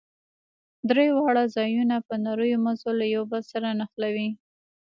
درې واړه ځايونه په نريو مزو له يو بل سره نښلوو.